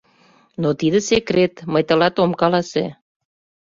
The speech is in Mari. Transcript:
Но тиде секрет, мый тылат ом каласе.